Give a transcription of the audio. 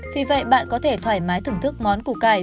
vì vậy bạn có thể thoải mái thưởng thức món củ cải